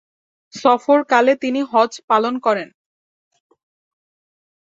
সফরকালে তিনি হজ পালন করেন।